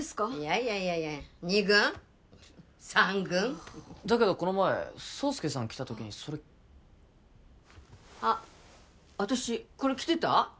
いやいやいや二軍三軍だけどこの前爽介さん来た時にそれあっ私これ着てた？